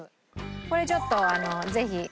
これちょっとぜひ。